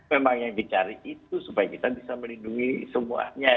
memang yang dicari itu supaya kita bisa melindungi semuanya